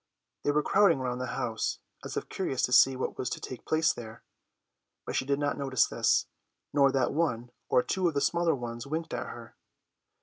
They were crowding round the house, as if curious to see what was to take place there, but she did not notice this, nor that one or two of the smaller ones winked at her.